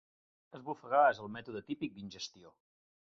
Esbufegar és el mètode típic d'ingestió.